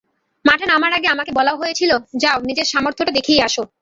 মাঠে নামার আগে আমাকে বলা হয়েছিল, যাও নিজের সামর্থ্যটা দেখিয়ে আসো।